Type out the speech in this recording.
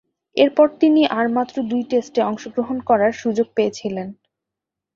এরপর তিনি আর মাত্র দুই টেস্টে অংশগ্রহণ করার সুযোগ পেয়েছিলেন।